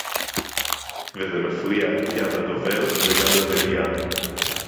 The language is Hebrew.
וזה מפריע גם לדובר וגם למליאה